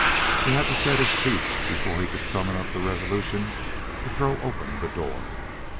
He had to set his teeth before he could summon the resolution to throw open the door.